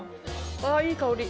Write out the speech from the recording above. あいい香り。